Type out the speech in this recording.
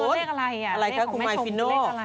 เลขอะไรอ่ะเลขของแม่ชมเลขอะไรอ่ะอะไรคะคุณหมายฟิโน่